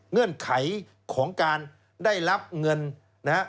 เงื่อนไขของการได้รับเงินนะฮะ